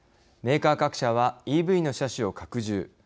メーカー各社はＥＶの車種を拡充。